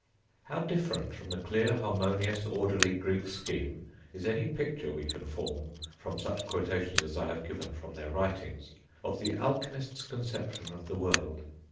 How different from the clear, harmonious, orderly, Greek scheme, is any picture we can form, from such quotations as I have given from their writings, of the alchemists' conception of the world.